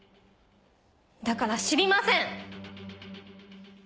だから知りません！